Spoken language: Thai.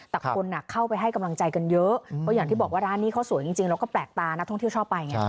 แต่คนเข้าไปให้กำลังใจกันเยอะเพราะอย่างที่บอกว่าร้านนี้เขาสวยจริงแล้วก็แปลกตานักท่องเที่ยวชอบไปไง